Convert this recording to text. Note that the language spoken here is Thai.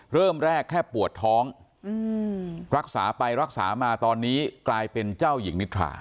เริ่มแรกแค่ปวดท้องรักษาไปรักษามาตอนนี้กลายเป็นเจ้าหญิงนิทรา